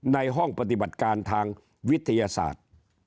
ในห้องปฏิบัติการทางวิทยาศาสตร์